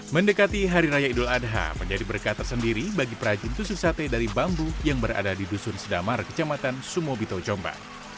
mendekati hari raya idul adha menjadi berkat tersendiri bagi perajin susu sate dari bambu yang berada di dusun sedamar kecamatan sumobito jombang